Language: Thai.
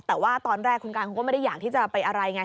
แต่ว่าตอนแรกคุณการเขาก็ไม่ได้อยากที่จะไปอะไรไง